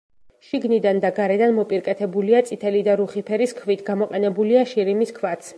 შიგნიდან და გარედან მოპირკეთებულია წითელი და რუხი ფერის ქვით, გამოყენებულია შირიმის ქვაც.